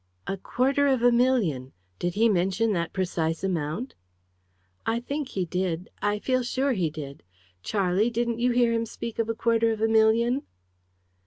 "A quarter of a million! Did he mention that precise amount?" "I think he did, I feel sure he did. Charlie, didn't you hear him speak of a quarter of a million?"